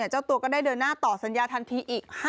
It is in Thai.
เจ้าตัวก็ได้เดินหน้าต่อสัญญาทันทีอีก